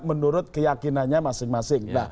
menurut keyakinannya masing masing